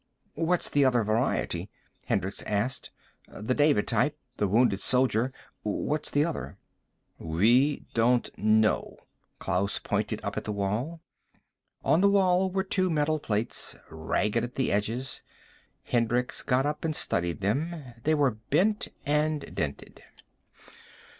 "What's the other variety?" Hendricks asked. "The David type, the Wounded Soldier what's the other?" "We don't know." Klaus pointed up at the wall. On the wall were two metal plates, ragged at the edges. Hendricks got up and studied them. They were bent and dented.